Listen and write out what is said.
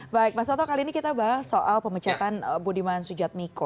baik mas toto kali ini kita bahas soal pemecatan budiman sujatmiko